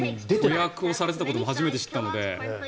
子役をされていたことも初めて知ったので。